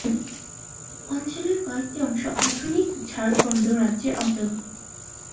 অঞ্চলের কয়েকটি অংশ আধুনিক ঝাড়খণ্ড রাজ্যের অন্তর্গত।